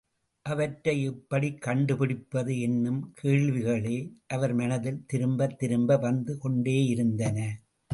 அவற்றை எப்படி கண்டுபிடிப்பது என்னும் கேள்விகளே அவர் மனதில் திரும்பத் திரும்ப வந்து கொண்டேயிருந்தன.